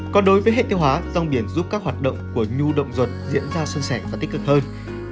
còn đối với hệ tiêu hóa rong biển giúp các hoạt động của nhu động vật diễn ra xuân sẻ và tích cực hơn